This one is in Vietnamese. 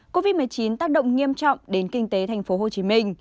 covid một mươi chín tác động nghiêm trọng đến kinh tế tp hcm